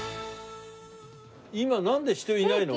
今なんで人いないの？